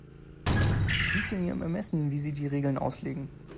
Es liegt in Ihrem Ermessen, wie Sie die Regeln auslegen.